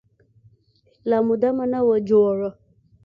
لا مو دمه نه وه جوړه.